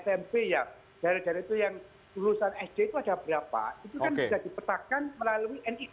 smp ya daerah daerah itu yang lulusan sd itu ada berapa itu kan bisa dipetakan melalui nik